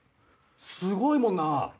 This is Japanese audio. すごいもんな。